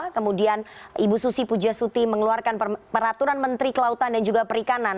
kemudian ibu susi pujasuti mengeluarkan peraturan menteri kelautan dan juga perikanan